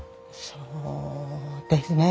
そうですね。